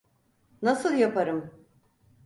Nasıl yaparım?